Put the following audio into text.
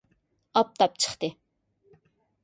ئاپتاپ چىقتى